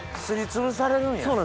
すりつぶされるんや。